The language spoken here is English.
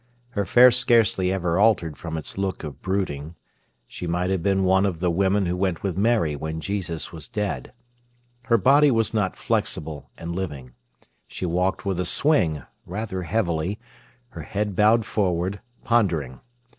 Her face scarcely ever altered from its look of brooding. She might have been one of the women who went with Mary when Jesus was dead. Her body was not flexible and living. She walked with a swing, rather heavily, her head bowed forward, pondering.